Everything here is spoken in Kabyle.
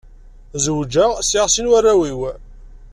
Zewǧeɣ, sɛiɣ sin warraw-iw.